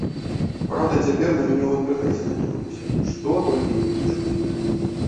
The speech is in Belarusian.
Праўда, цяпер на мяне ў інтэрнэце накінуліся, што толькі ні пішуць!